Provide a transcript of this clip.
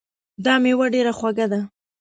دا میوه ډېره خوږه ده